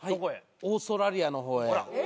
オーストラリアのほうへ。